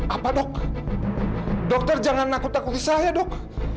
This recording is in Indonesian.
apa dok dokter jangan nakut nakuti saya dok